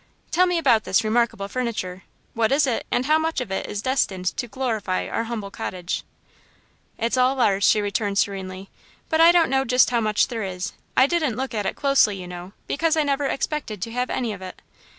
"Tell me about this remarkable furniture. What is it, and how much of it is destined to glorify our humble cottage?" "It's all ours," she returned serenely, "but I don't know just how much there is. I didn't look at it closely, you know, because I never expected to have any of it.